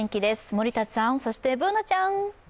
森田さん、そしてＢｏｏｎａちゃん。